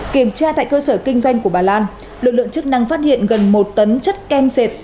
kiểm tra tại cơ sở kinh doanh của bà lan lực lượng chức năng phát hiện gần một tấn chất kem dệt